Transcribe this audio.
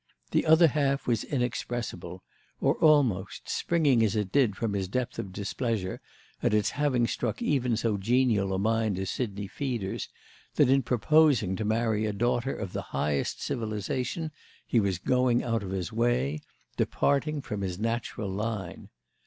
The other half was inexpressible, or almost, springing as it did from his depth of displeasure at its having struck even so genial a mind as Sidney Feeder's that in proposing to marry a daughter of the highest civilisation he was going out of his way—departing from his natural line.